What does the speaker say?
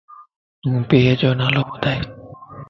تون پيءَ جو نالو ٻڌائي؟